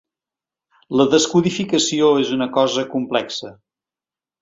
La descodificació és una cosa complexa.